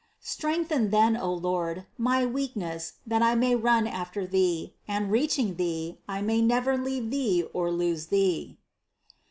Strengthen then, O Lord, my weakness that I may run after Thee, and reaching Thee, I may never leave Thee or lose Thee.